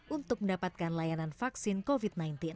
untuk mendapatkan layanan vaksin covid sembilan belas